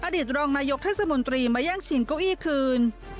อดีตรองนายกเทศมนตรีมาแย่งชิงเก้าอี้คืน